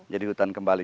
jadi hutan kembali